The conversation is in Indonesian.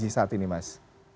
kondisi saat ini mas